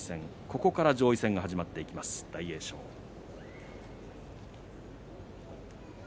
ここから上位戦が始まっていきます、大栄翔です。